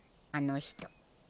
あの人。